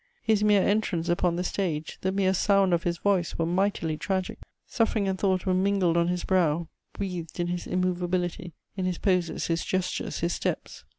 His mere entrance upon the stage, the mere sound of his voice were mightily tragic. Suffering and thought were mingled on his brow, breathed in his immovability, in his poses, his gestures, his steps.